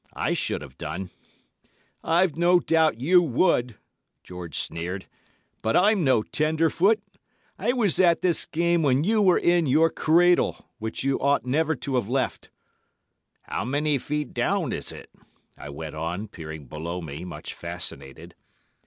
I should have done.' "'I've no doubt you would,' George sneered, 'but I'm no tenderfoot; I was at this game when you were in your cradle, which you never ought to have left.' "'How many feet down is it?' I went on, peering below me, much fascinated.